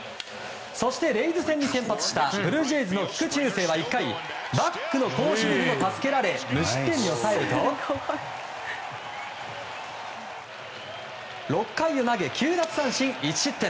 そして、レイズ戦に先発したブルージェイズの菊池雄星は１回バックの好守備にも助けられ無失点に抑えると６回を投げ９奪三振１失点。